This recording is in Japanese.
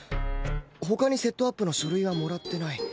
他にセットアップの書類はもらってない